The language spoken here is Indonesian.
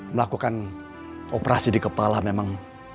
melakukan operasi di kepala memang